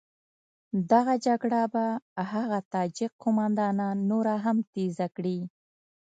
دغه جګړه به هغه تاجک قوماندانان نوره هم تېزه کړي.